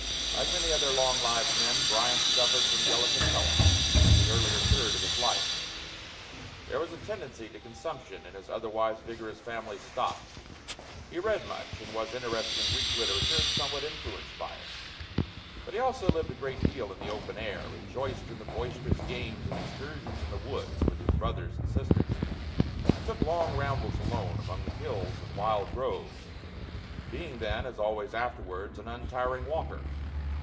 Like many other long lived men, Bryant suffered from delicate health in the earlier third of his life: there was a tendency to consumption in his otherwise vigorous family stock. He read much, and was much interested in Greek literature and somewhat influenced by it. But he also lived a great deal in the open air, rejoiced in the boisterous games and excursions in the woods with his brothers and sisters, and took long rambles alone among the hills and wild groves; being then, as always afterwards, an untiring walker.